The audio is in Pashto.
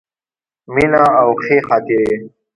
مینه او ښې خاطرې.